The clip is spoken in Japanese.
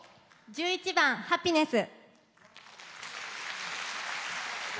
１１番「ハピネス」。